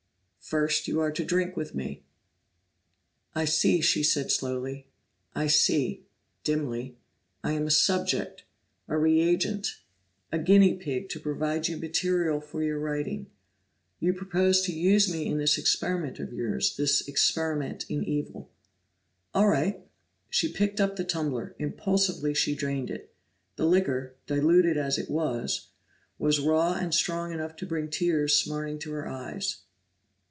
"First you are to drink with me." "I see," she said slowly. "I see dimly. I am a subject, a reagent, a guinea pig, to provide you material for your writing. You propose to use me in this experiment of yours this experiment in evil. All right!" She picked up the tumbler; impulsively she drained it. The liquor, diluted as it was, was raw and strong enough to bring tears smarting to her eyes.